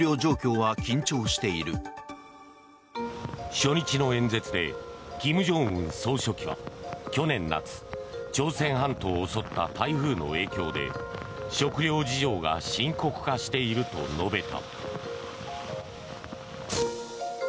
初日の演説で金正恩総書記は去年夏、朝鮮半島を襲った台風の影響で食糧事情が深刻化していると述べた。